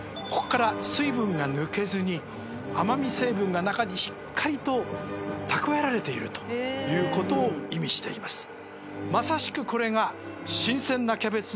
こっから水分が抜けずに甘味成分が中にしっかりと蓄えられているということを意味しています。